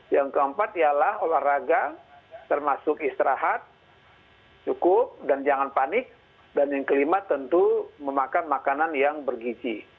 yang keempat ialah olahraga termasuk istirahat cukup dan jangan panik dan yang kelima tentu memakan makanan yang bergizi